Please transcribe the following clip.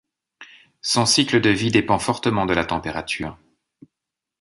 Son cycle de vie dépend fortement de la température.